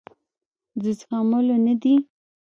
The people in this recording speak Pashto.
د زغملو نه دي.